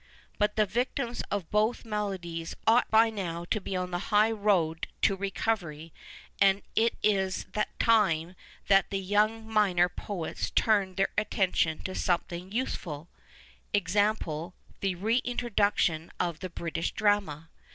But the victims of both maladies ought by now to be on the high road to recovery, and it is time that the young minor poets turned their atten tion to something useful, e.g., the reintroduetion of the British drama.